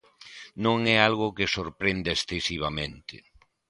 Non é algo que sorprenda excesivamente.